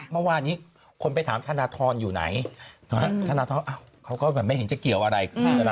เมื่อวานนี้คนไปถามธนทรอยู่ไหนธนทรเขาก็แบบไม่เห็นจะเกี่ยวอะไร